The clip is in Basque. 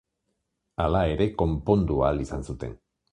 Hala ere, konpondu ahal izan zuten.